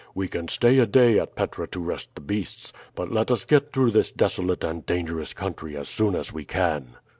"We can stay a day at Petra to rest the beasts, but let us get through this desolate and dangerous country as soon as we can."